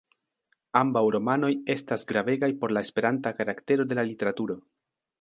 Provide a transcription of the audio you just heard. Ambaŭ romanoj estas gravegaj por la esperanta karaktero de la literaturo.